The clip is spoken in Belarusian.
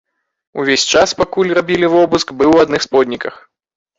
Увесь час, пакуль рабілі вобыск, быў у адных сподніках.